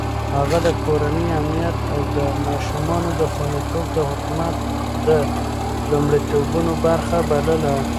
هغه د کورنۍ امنيت او د ماشومانو خونديتوب د حکومت د لومړيتوبونو برخه بلله.